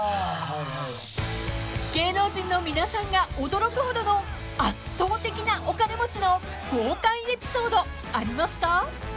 ［芸能人の皆さんが驚くほどの圧倒的なお金持ちの豪快エピソードありますか？］